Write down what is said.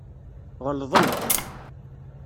Ɣelḍent.